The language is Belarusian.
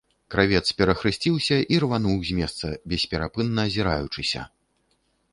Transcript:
Кравец перахрысціўся і рвануў з месца, бесперапынна азіраючыся.